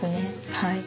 はい。